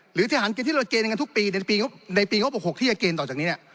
หรือทหารเกณฑ์ที่เราเกณฑ์กันทุกปีในปีงบ๖๖ที่จะเกณฑ์ต่อจากนี้เนี่ย